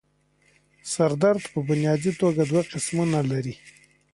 سر درد پۀ بنيادي توګه دوه قسمونه لري